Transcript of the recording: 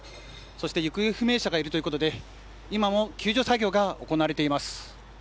行方不明者がいるということで今も救助作業が行われています。